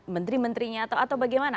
menteri menterinya atau bagaimana